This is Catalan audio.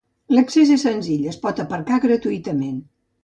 L'accés és senzill, es pot aparcar gratuïtament.